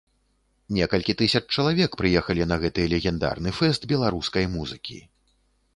Некалькі тысяч чалавек прыехалі на гэты легендарны фэст беларускай музыкі.